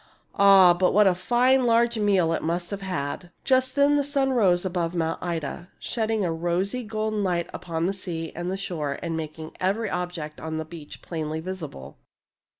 " Ah, but what a fine large meal it must have had !" Just then the sun rose above Mount Ida, shedding a rosy golden light upon sea and shore and making every object on the beach plainly visible.